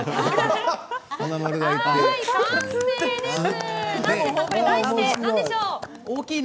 完成です。